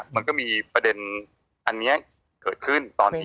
มันก็มีประเด็นอันนี้เกิดขึ้นตอนนี้